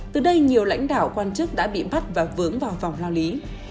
từ đây nhiều lãnh đạo quan chức đã bị bắt và vướng vào vòng lao lý